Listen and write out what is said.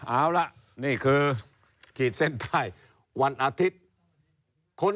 เอาละนี่คือขีดเส้นใต้วันอาทิตย์